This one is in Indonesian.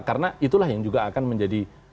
karena itulah yang juga akan menjadi